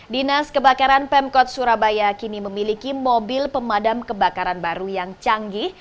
dinas kebakaran pemkot surabaya kini memiliki mobil pemadam kebakaran baru yang canggih